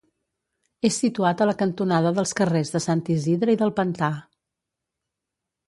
És situat a la cantonada dels carrers de Sant Isidre i del Pantà.